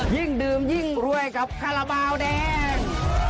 ยิ่งดื่มยิ่งรวยกับคาราบาลแดง